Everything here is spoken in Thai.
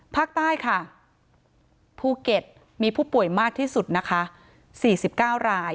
ภาคใต้ค่ะภูเก็ตมีผู้ป่วยมากที่สุดนะคะ๔๙ราย